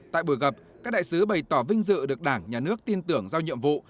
tại buổi gặp các đại sứ bày tỏ vinh dự được đảng nhà nước tin tưởng giao nhiệm vụ